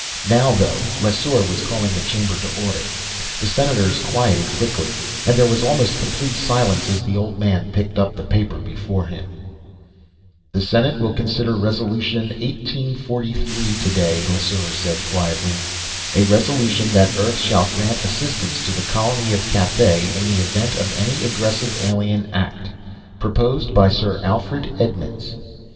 Now, though, Lesseur was calling the chamber to order. The senators quieted quickly, and there was almost complete silence as the old man picked up the paper before him. "The Senate will consider Resolution 1843 today," Lesseur said quietly. "_A Resolution that Earth shall grant assistance to the Colony of Cathay in the event of any aggressive alien act__, proposed by Sir Alfred Edmonds.